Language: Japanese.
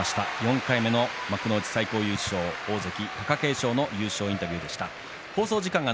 ４回目の幕内最高優勝貴景勝関の優勝インタビューでした。